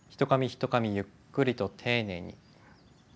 ひとかみゆっくりと丁寧に。